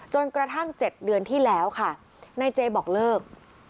จนกระทั่ง๗เดือนที่แล้วค่ะนายเจบอกเลิก